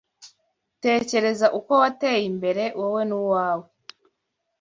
Tekereza uko wateye imbere, wowe n'uwawe